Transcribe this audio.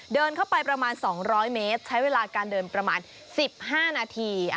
เดินเข้าไปประมาณสองร้อยเมตรใช้เวลาการเดินประมาณสิบห้านาที